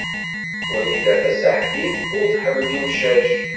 Wrida Tasaḥlit ur tḥemmel imcac.